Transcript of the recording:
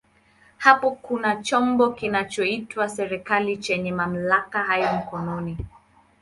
Hapo kuna chombo kinachoitwa serikali chenye mamlaka haya mkononi.